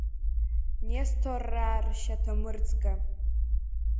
Несҭорраа ршьаҭамырӡга!